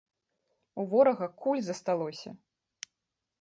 У ворага куль засталося!